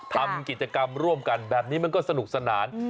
ทำกิจกรรมร่วมกันแบบนี้มันก็สนุกสนาน